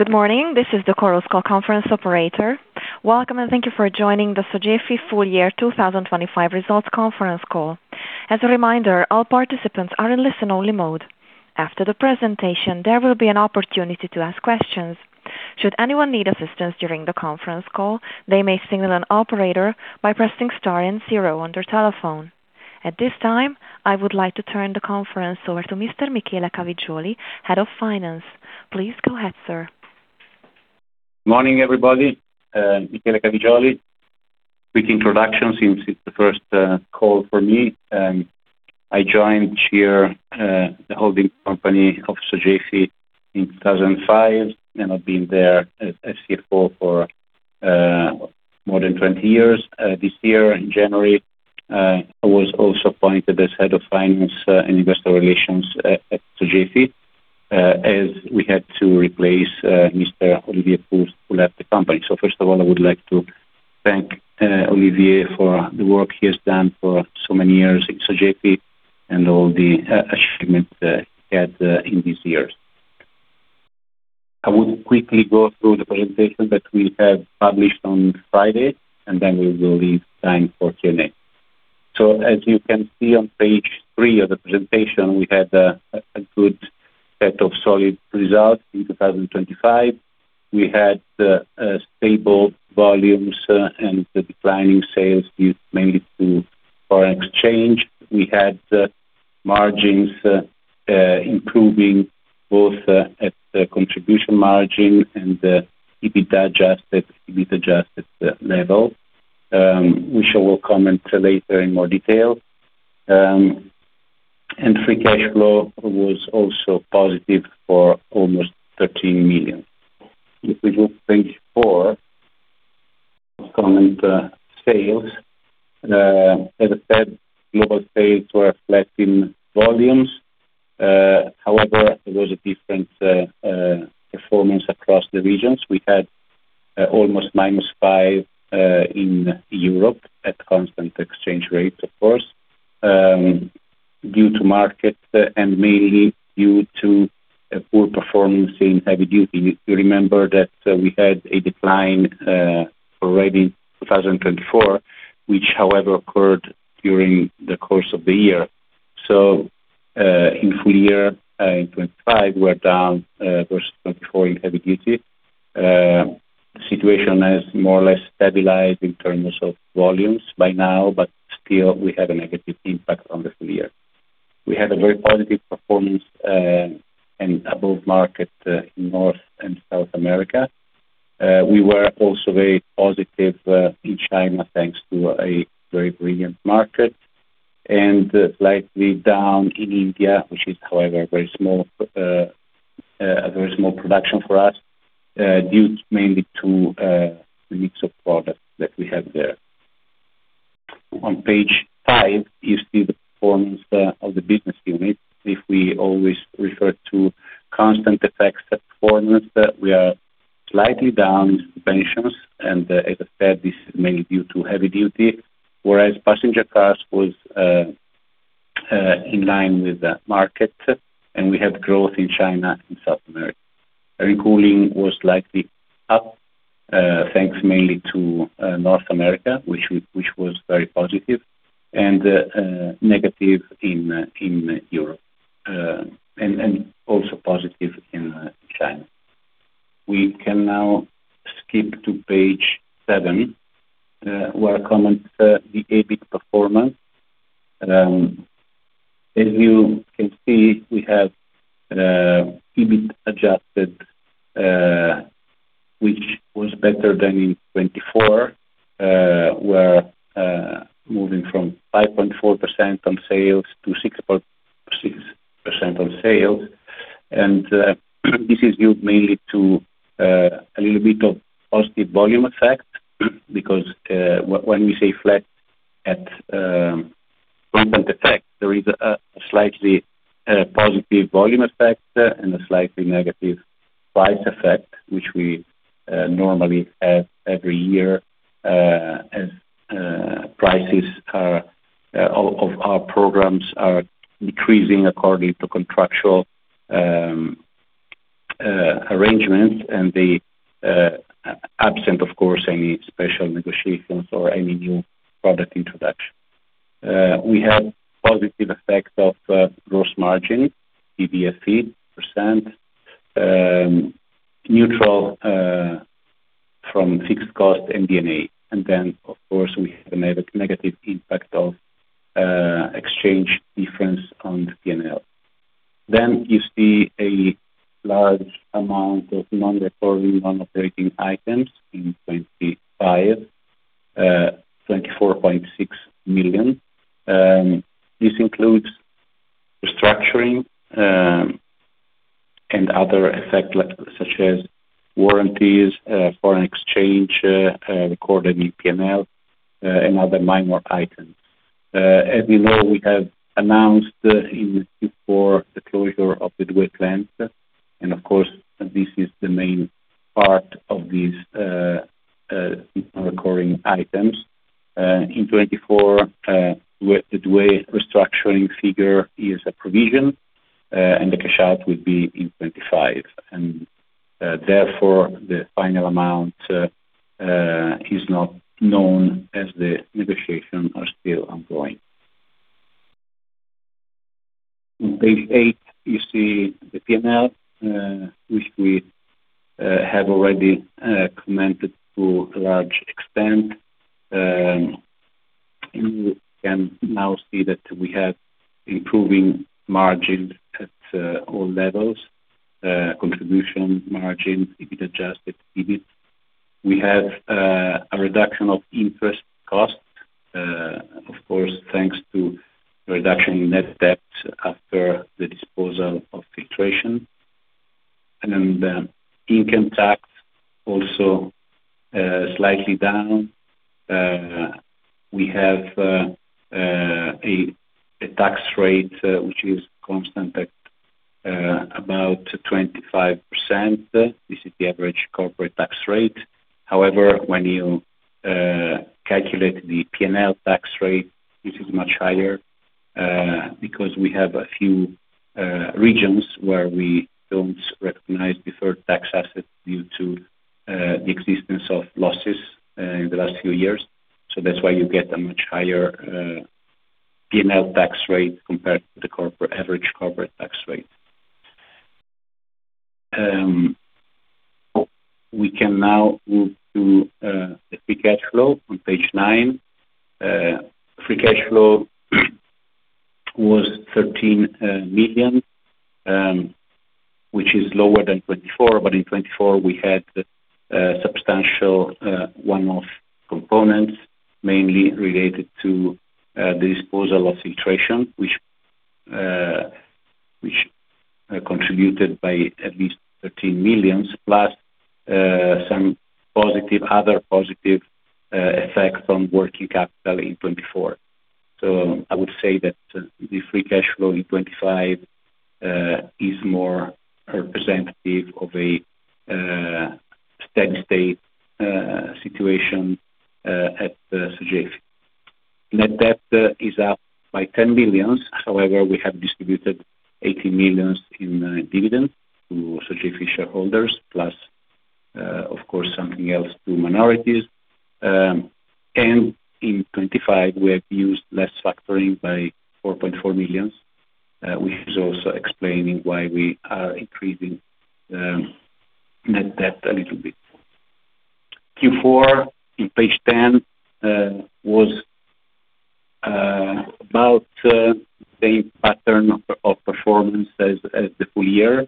Good morning. This is the Chorus Call conference operator. Welcome, thank you for joining the Sogefi full year 2025 results conference call. As a reminder, all participants are in listen-only mode. After the presentation, there will be an opportunity to ask questions. Should anyone need assistance during the conference call, they may signal an operator by pressing star and zero on their telephone. At this time, I would like to turn the conference over to Mr. Michele Cavigioli, Head of Finance. Please go ahead, sir. Morning, everybody. Michele Cavigioli. Quick introduction since it's the first call for me. I joined here the holding company of Sogefi in 2005. I've been there as CFO for more than 20 years. This year in January, I was also appointed as Head of Finance and Investor Relations at Sogefi as we had to replace Mr. Olivier Proust, who left the company. First of all, I would like to thank Olivier for the work he has done for so many years in Sogefi and all the achievement he had in these years. I will quickly go through the presentation that we have published on Friday. Then we will leave time for Q&A. As you can see on page three of the presentation, we had a good set of solid results in 2025. We had stable volumes and the declining sales, due mainly to foreign exchange. We had margins improving both at the contribution margin and the EBITDA adjusted, EBIT adjusted level, which I will comment later in more detail. Free cash flow was also positive for almost 13 million. If we go to page four, comment, sales. As I said, global sales were flat in volumes. However, there was a different performance across the regions. We had almost -5% in Europe at constant exchange rates, of course, due to market and mainly due to a poor performance in Heavy Duty. If you remember that we had a decline, already in 2024, which however occurred during the course of the year. In full year, in 2025 we're down, versus 2024 in Heavy Duty. The situation has more or less stabilized in terms of volumes by now, but still we had a negative impact on the full year. We had a very positive performance, and above market, in North and South America. We were also very positive, in China, thanks to a very brilliant market and slightly down in India, which is, however, very small, a very small production for us, due mainly to, the mix of products that we have there. On page five, you see the performance, of the business unit. If we always refer to constant FX performance, we are slightly down in Suspensions. As I said, this is mainly due to Heavy Duty, whereas passenger cars was in line with the market. We have growth in China and South America. Air & Cooling was slightly up thanks mainly to North America, which was very positive. Negative in Europe. Also positive in China. We can now skip to page seven, where I comment the EBIT performance. As you can see, we have EBIT adjusted, which was better than in 2024. We're moving from 5.4% on sales to 6.6% on sales. This is due mainly to a little bit of positive volume effect, because when we say flat at constant effect, there is a slightly positive volume effect and a slightly negative price effect, which we normally have every year, as prices are of our programs are decreasing according to contractual arrangements and the absent of course any special negotiations or any new product introduction. We have positive effects of gross margin, EBITDA percent, neutral from fixed cost and D&A. Then of course, we have a negative impact of exchange difference on P&L. You see a large amount of non-recurring non-operating items in 25, 24.6 million. This includes restructuring and other effects like such as warranties, foreign exchange, recorded in P&L, and other minor items. As you know, we have announced in Q4 the closure of the duet plant and of course this is the main part of these non-recurring items in 2024, with the way restructuring figure is a provision, and the cash out would be in 2025 and therefore the final amount is not known as the negotiations are still ongoing. On page eight, you see the P&L, which we have already commented to a large extent. You can now see that we have improving margins at all levels. Contribution margin, if it adjusted EBIT. We have a reduction of interest costs, of course, thanks to reduction in net debt after the disposal of Filtration. The income tax also slightly down. We have a tax rate which is constant at about 25%. This is the average corporate tax rate. However, when you calculate the P&L tax rate, this is much higher because we have a few regions where we don't recognize deferred tax assets due to the existence of losses in the last few years. That's why you get a much higher P&L tax rate compared to the corporate, average corporate tax rate. We can now move to the free cash flow on page nine. Free cash flow was 13 million, which is lower than 24 million. In 2024, we had substantial one-off components, mainly related to the disposal of Filtration, which contributed by at least 13 million+ some positive, other positive effects from working capital in 2024. I would say that the free cash flow in 2025 is more representative of a steady-state situation at Sogefi. Net debt is up by 10 million. However, we have distributed 80 million in dividends to Sogefi shareholders plus, of course, something else to minorities. In 2025 we have used less factoring by 4.4 million, which is also explaining why we are increasing net debt a little bit. Q4 in page 10 was about the same pattern of performance as the full year.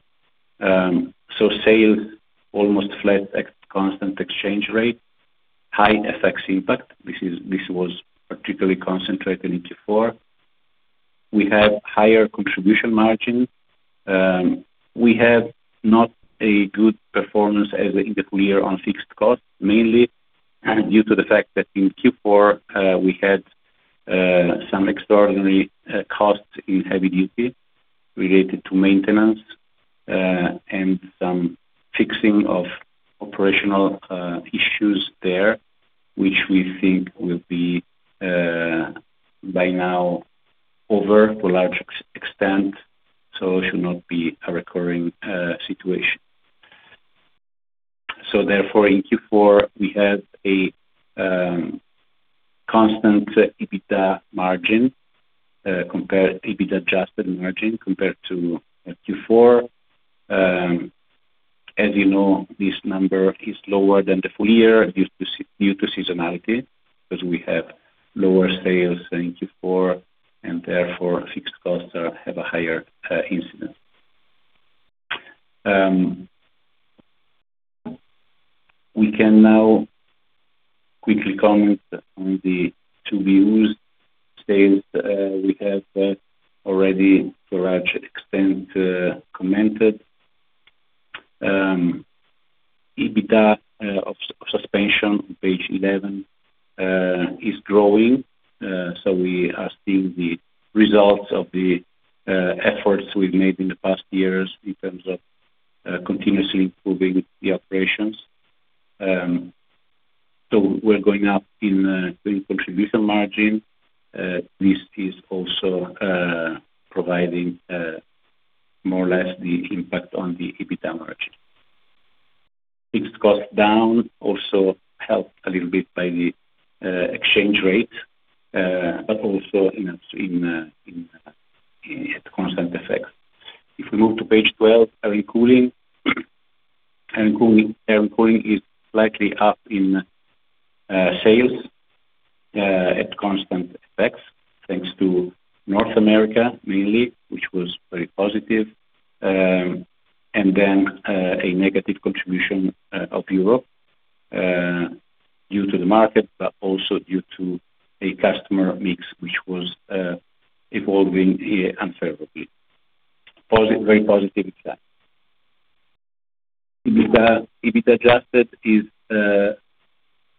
Sales almost flat at constant exchange rate, high FX impact. This was particularly concentrated in Q4. We have higher contribution margin. We have not a good performance as in the full year on fixed costs, mainly due to the fact that in Q4, we had some extraordinary costs in Heavy Duty related to maintenance, and some fixing of operational issues there, which we think will be by now over to a large extent, so it should not be a recurring situation. Therefore in Q4 we have a constant EBITDA margin, EBITDA adjusted margin compared to Q4. As you know, this number is lower than the full year due to seasonality because we have lower sales in Q4 and therefore fixed costs are, have a higher incidence. We can now quickly comment on the to be used sales. We have already to a large extent commented. EBITDA of Suspensions on page 11 is growing. We are seeing the results of the efforts we've made in the past years in terms of continuously improving the operations. We're going up in contribution margin. This is also providing more or less the impact on the EBITDA margin. Fixed cost down also helped a little bit by the exchange rate, but also in a constant effect. If we move to page 12. Air Cooling. Air and Cooling is slightly up in sales at constant effects, thanks to North America mainly, which was very positive. A negative contribution of Europe due to the market, but also due to a customer mix which was evolving unfavorably. Very positive EBITDA. EBITDA adjusted is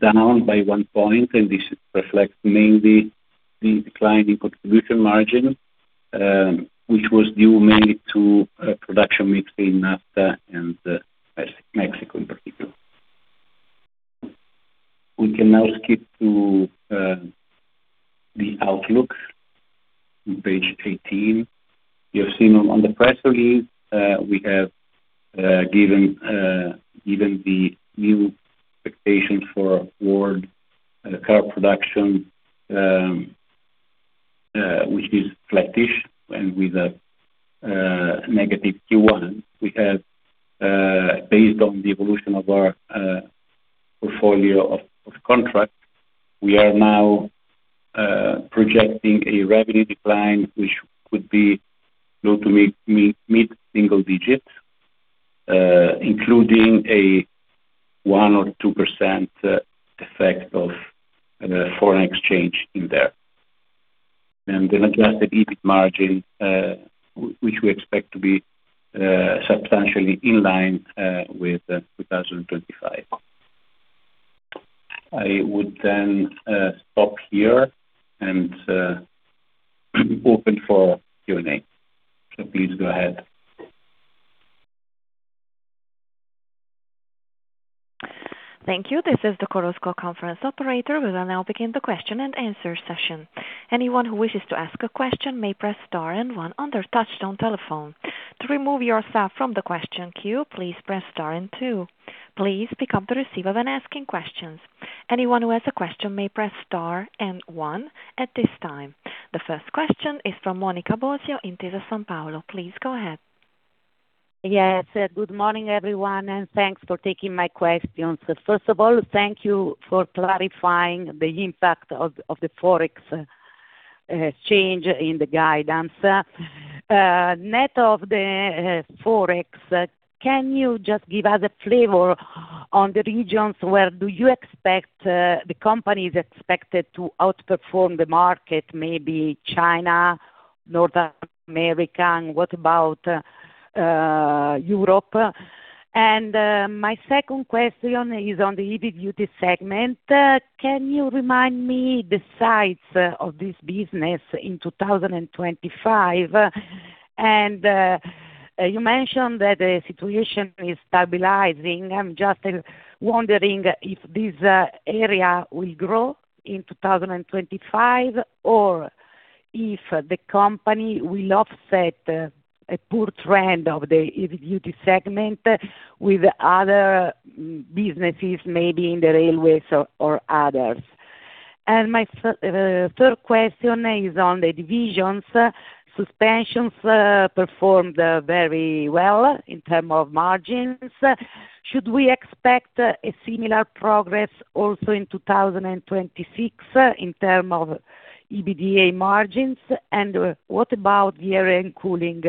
down by one point, and this reflects mainly the decline in contribution margin, which was due mainly to production mix in NAFTA and Mexico in particular. We can now skip to the outlook on page 18. You have seen on the press release, we have given the new expectations for world car production, which is flattish and with a negative Q1. We have based on the evolution of our portfolio of contracts, we are now projecting a revenue decline, which could be low to mid single digits, including a 1% or 2% effect of foreign exchange in there. Adjusted EBIT margin, which we expect to be substantially in line with 2025. I would then stop here and open for Q&A. Please go ahead. Thank you. This is the Chorus Call conference operator. We will now begin the question and answer session. Anyone who wishes to ask a question may press star and one on their touchtone telephone. To remove yourself from the question queue, please press star and two. Please pick up the receiver when asking questions. Anyone who has a question may press star and one at this time. The first question is from Monica Bosio, Intesa Sanpaolo. Please go ahead. Yes. Good morning, everyone, thanks for taking my questions. First of all, thank you for clarifying the impact of the Forex change in the guidance. Net of the Forex, can you just give us a flavor on the regions where do you expect the companies expected to outperform the market, maybe China, North America? What about Europe? My second question is on the Heavy Duty segment. Can you remind me the size of this business in 2025? You mentioned that the situation is stabilizing. I'm just wondering if this area will grow in 2025 or if the company will offset a poor trend of the Heavy Duty segment with other businesses, maybe in the railways or others. My third question is on the divisions. Suspensions performed very well in term of margins. Should we expect a similar progress also in 2026 in term of EBITDA margins? What about the Air Cooling?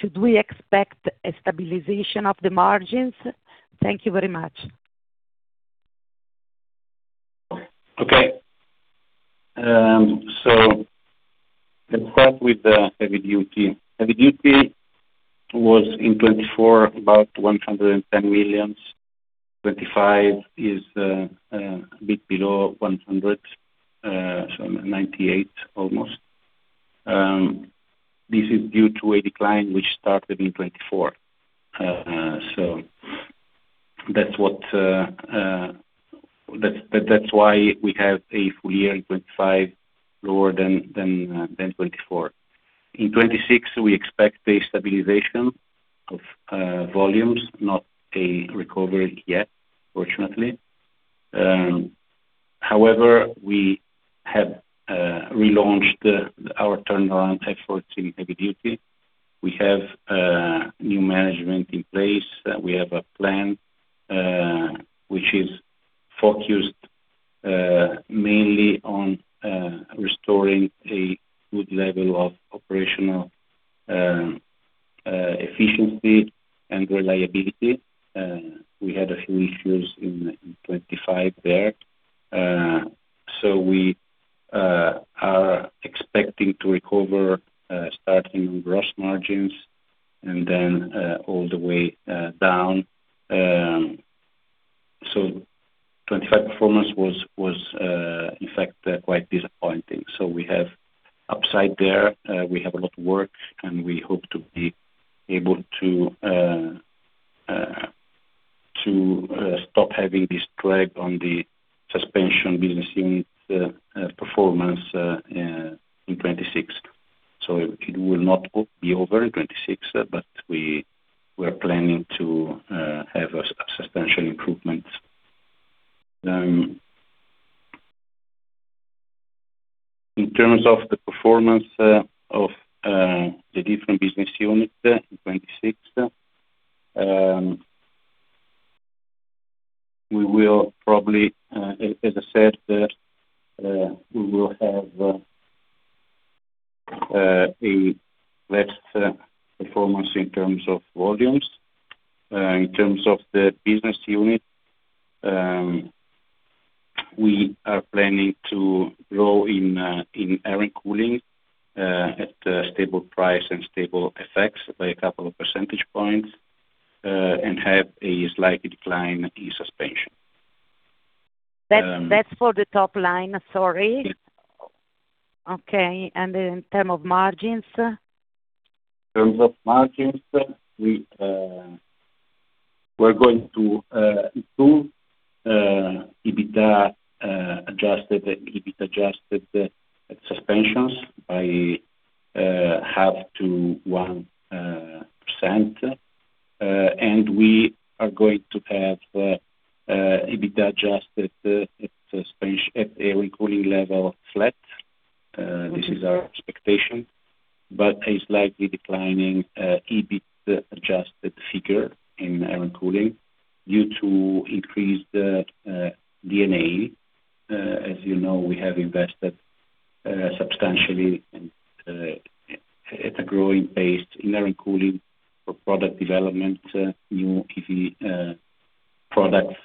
Should we expect a stabilization of the margins? Thank you very much. Okay. Let's start with the Heavy Duty. Heavy Duty was in 2024 about 110 million. 2025 is a bit below 100 million, so 98 million almost. This is due to a decline which started in 2024. That's what, that's why we have a full year in 2025 lower than 2024. In 2026, we expect a stabilization of volumes, not a recovery yet, unfortunately. However, we have relaunched our turnaround efforts in Heavy Duty. We have new management in place. We have a plan which is focused mainly on restoring a good level of operational efficiency and reliability. We had a few issues in 2025 there. We are expecting to recover starting gross margins and then all the way down. 25 performance was in fact quite disappointing. We have upside there. We have a lot of work, and we hope to be able to stop having this drag on the Suspensions Business Unit performance in 26. It will not be over in 26, but we're planning to have a substantial improvement. In terms of the performance of the different business units in 26, we will probably, as I said, we will have a better performance in terms of volumes. In terms of the business unit, we are planning to grow in Air & Cooling at a stable price and stable FX by a couple of percentage points. Have a slight decline in Suspensions. That's for the top line. Sorry. Yes. Okay. In terms of margins? In terms of margins, we're going to improve EBITA adjusted Suspensions by half to 1%. We are going to have EBITDA adjusted at Air & Cooling level flat. This is our expectation, a slightly declining EBIT adjusted figure in Air & Cooling due to increased D&A. As you know, we have invested substantially at a growing pace in Air & Cooling for product development, new EV products.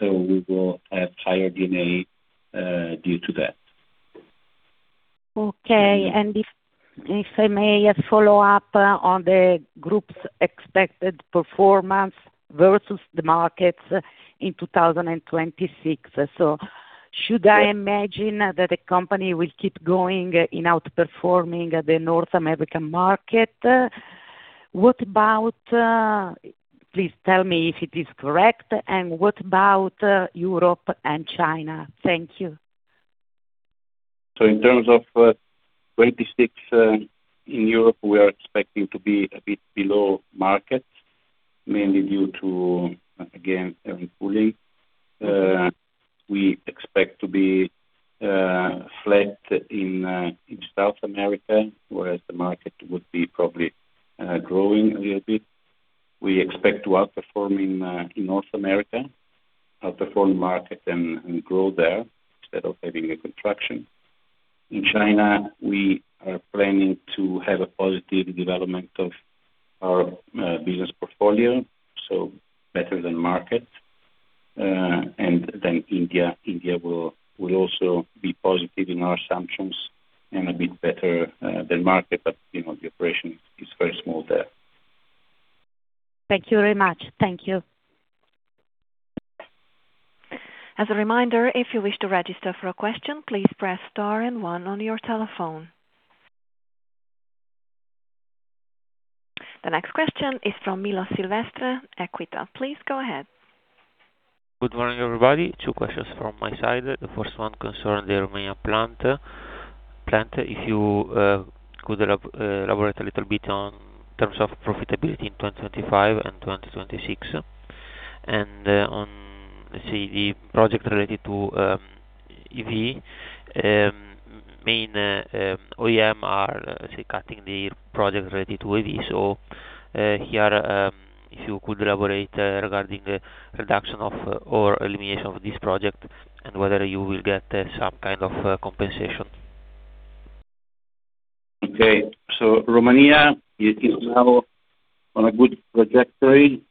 We will have higher D&A due to that. Okay. If, if I may follow up on the group's expected performance versus the markets in 2026. Should I imagine that the company will keep going in outperforming the North American market? What about? Please tell me if it is correct, and what about Europe and China? Thank you. In terms of 26 in Europe, we are expecting to be a bit below market, mainly due to, again, Air & Cooling. We expect to be flat in South America, whereas the market would be probably growing a little bit. We expect to outperforming in North America, outperform market and grow there instead of having a contraction. In China, we are planning to have a positive development of our business portfolio, so better than market, and then India. India will also be positive in our assumptions and a bit better than market. You know, the operation is very small there. Thank you very much. Thank you. As a reminder, if you wish to register for a question, please press star and one on your telephone. The next question is from Milo Silvestre, Equita. Please go ahead. Good morning, everybody. Two questions from my side. The first one concerns the Romania plant. If you could elaborate a little bit on terms of profitability in 2025 and 2026. On, say, the project related to EV, main OEM are, say, cutting the project related to EV. Here, if you could elaborate regarding the reduction of or elimination of this project and whether you will get some kind of compensation. Okay. Romania is now on a good trajectory.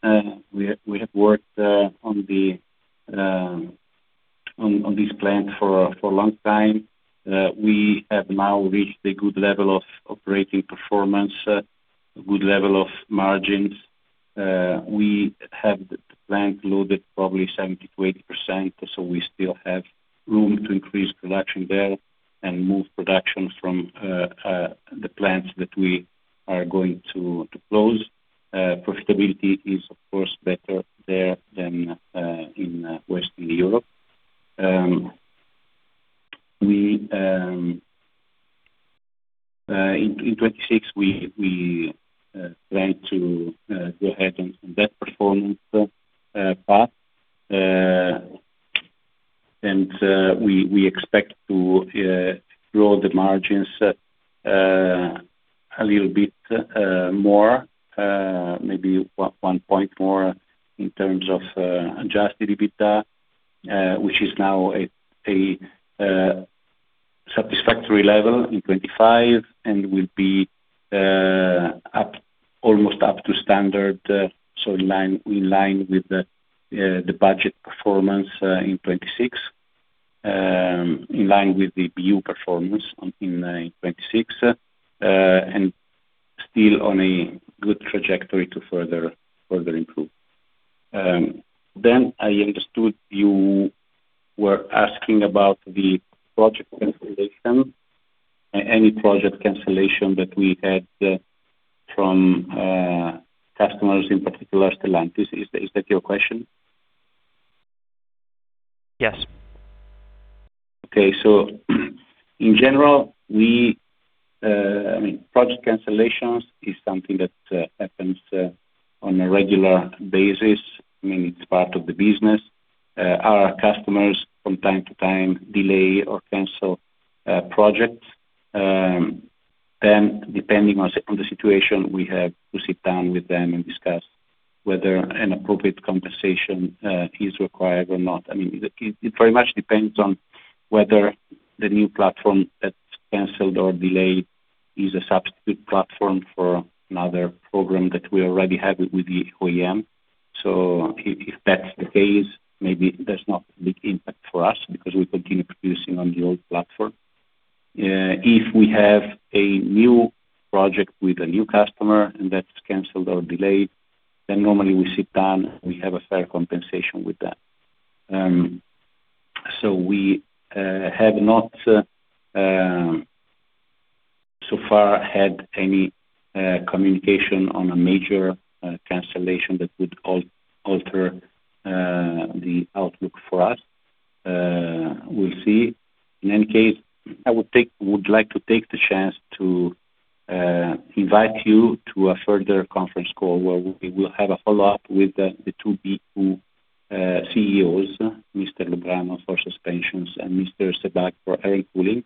we have worked on this plant for a long time. we have now reached a good level of operating performance, a good level of margins. we have the plant loaded probably 70%-80%, so we still have room to increase production there and move production from the plants that we are going to close. profitability is of course better there than in Western Europe. in 2026 we plan to go ahead on that performance path. We expect to grow the margins a little bit more, maybe 1 point more in terms of adjusted EBITDA, which is now at a satisfactory level in 2025 and will be almost up to standard, so in line with the budget performance in 2026, in line with the BU performance on, in 2026, and still on a good trajectory to further improve. I understood you were asking about the project cancellation. Any project cancellation that we had from customers in particular, Stellantis. Is that your question? Yes. Okay. In general, we, I mean, project cancellations is something that happens on a regular basis. I mean, it's part of the business. Our customers from time to time delay or cancel projects. Then depending on the situation, we have to sit down with them and discuss whether an appropriate compensation is required or not. I mean, it very much depends on whether the new platform that's canceled or delayed is a substitute platform for another program that we already have with the OEM. If that's the case, maybe there's not a big impact for us because we continue producing on the old platform. If we have a new project with a new customer and that's canceled or delayed, then normally we sit down, we have a fair compensation with that. We have not so far had any communication on a major cancellation that would alter the outlook for us. We'll see. In any case, I would like to take the chance to invite you to a further conference call where we will have a follow-up with the two BU CEOs, Mr. Lubrano for Suspensions and Mr. Sebagh for Air & Cooling.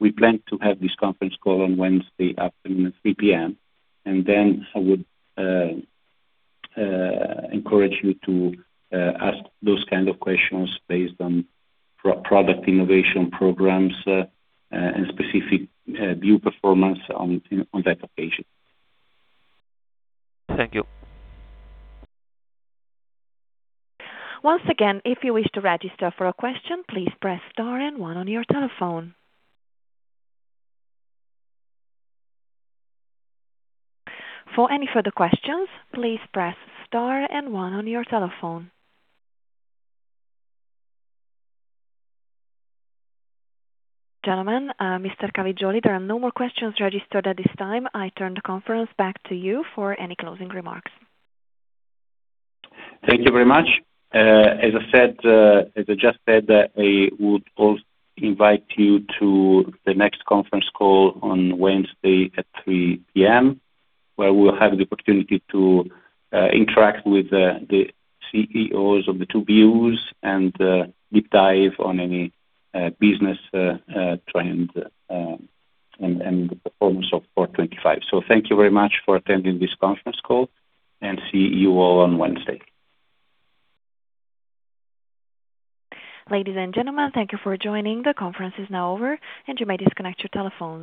We plan to have this conference call on Wednesday afternoon at 3:00 P.M. I would encourage you to ask those questions based on product innovation programs and specific BU performance on that occasion. Thank you. Once again, if you wish to register for a question, please press star and one on your telephone. For any further questions, please press star and one on your telephone. Gentlemen, Mr. Cavigioli, there are no more questions registered at this time. I turn the conference back to you for any closing remarks. Thank you very much. As I said, as I just said, I would invite you to the next conference call on Wednesday at 3:00 P.M., where we'll have the opportunity to interact with the CEOs of the two BUs and deep dive on any business trend and the performance of 2025. Thank you very much for attending this conference call, and see you all on Wednesday. Ladies and gentlemen, thank you for joining. The conference is now over, and you may disconnect your telephones.